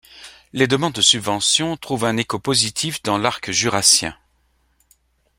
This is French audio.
Les demandes de subventions trouvent un écho positif dans l'Arc jurassien.